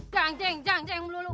jangjeng jangjeng melulu